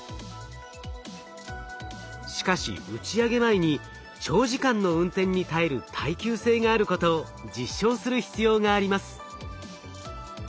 しかし打ち上げ前に長時間の運転に耐える耐久性があることを実証する必要があります。